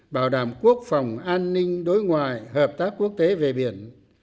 bảo đảm quốc phòng an ninh đối ngoại hợp tác quốc tế về biển